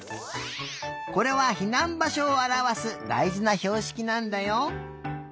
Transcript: これはひなんばしょをあらわすだいじなひょうしきなんだよ。